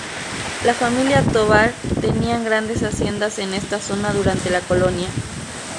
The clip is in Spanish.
La familia Tovar tenían grandes haciendas en esta zona durante la Colonia.